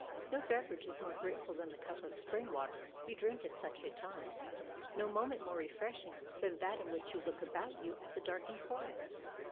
No beverage is more grateful than the cup of spring water you drink at such a time; no moment more refreshing than that in which you look about you at the darkened forest.